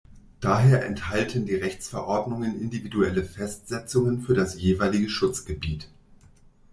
Daher enthalten die Rechtsverordnungen individuelle Festsetzungen für das jeweilige Schutzgebiet.